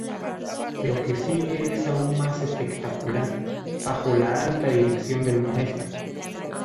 Lo que sigue es aún más espectacular: bajo la alta dirección del Maestro.